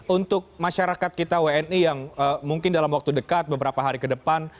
untuk masyarakat kita wni yang mungkin dalam waktu dekat beberapa hari ke depan